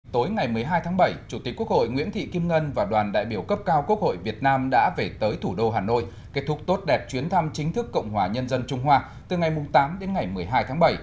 tối ngày một mươi hai tháng bảy chủ tịch quốc hội nguyễn thị kim ngân và đoàn đại biểu cấp cao quốc hội việt nam đã về tới thủ đô hà nội kết thúc tốt đẹp chuyến thăm chính thức cộng hòa nhân dân trung hoa từ ngày tám đến ngày một mươi hai tháng bảy